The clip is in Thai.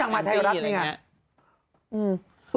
วันที่จังมาถ่ายรัฐกะ